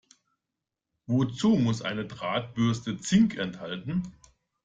Wozu muss eine Drahtbürste Zink enthalten?